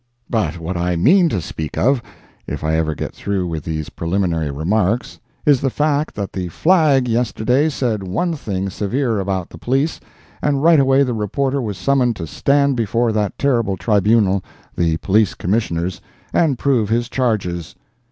But what I mean to speak of, if I ever get through with these preliminary remarks, is the fact that the Flag yesterday said some thing severe about the police, and right away the reporter was summoned to stand before that terrible tribunal—the Police Commissioners—and prove his charges.